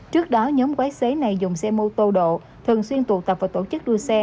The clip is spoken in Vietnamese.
trước đó nhóm quái xế này dùng xe mô tô độ thường xuyên tụ tập và tổ chức đua xe